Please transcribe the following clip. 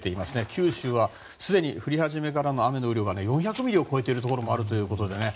九州はすでに降り始めからの雨の量は４００ミリを超えているところもあるということでね。